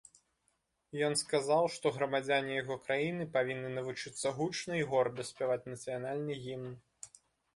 Ён сказаў, што грамадзяне яго краіны павінны навучыцца гучна і горда спяваць нацыянальны гімн.